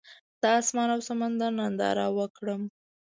د اسمان او سمندر ننداره وکړم.